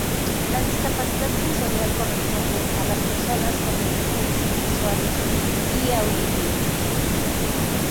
La discapacidad sensorial corresponde a las personas con deficiencias visuales y auditivas.